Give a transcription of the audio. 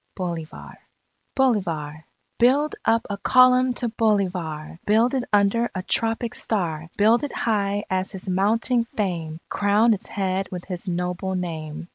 _ BOLIVAR BOLIVAR _Build up a Column to Bolivar! Build it under a tropic star! Build it high as his mounting fame! Crown its head with his noble name!